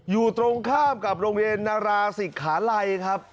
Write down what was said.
อยู่ตรงข้ามกับโรงเรียนนาราศิกขาลัยครับ